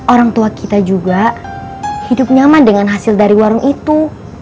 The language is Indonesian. orang tua kita juga hidup nyaman dengan hasil dari warung itu